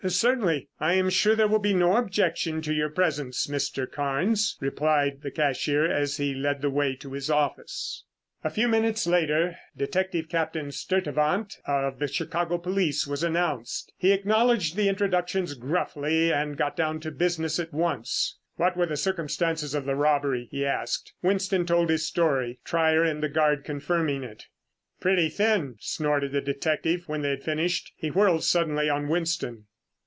"Certainly. I am sure there will be no objection to your presence, Mr. Carnes," replied the cashier as he led the way to his office. A few minutes later Detective Captain Sturtevant of the Chicago police was announced. He acknowledged the introductions gruffly and got down to business at once. "What were the circumstances of the robbery?" he asked. Winston told his story, Trier and the guard confirming it. "Pretty thin!" snorted the detective when they had finished. He whirled suddenly on Winston.